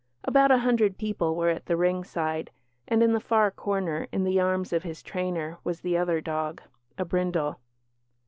About a hundred people were at the ringside, and in the far corner, in the arms of his trainer, was the other dog a brindle.